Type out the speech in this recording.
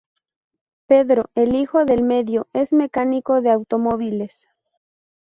Pedro, el hijo del medio, es mecánico de automóviles.